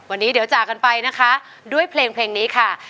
วันนี้เดี๋ยวจากกันไปนะคะด้วยเพลงนี้ค่ะ